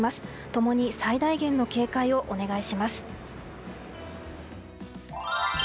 共に最大限の警戒をお願いします。